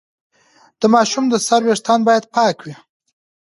د ماشوم د سر ویښتان باید پاک وي۔